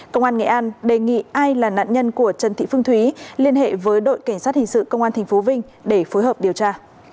công an nghệ an đề nghị ai là nạn nhân của trần thị phương thúy liên hệ với đội cảnh sát hình sự công an tp vinh để phối hợp điều tra